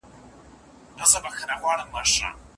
جارج واټسن وايي چي استاد باید پیلنۍ مسویده خاماخا وګوري.